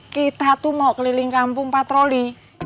kita tuh mau keliling kampung patroli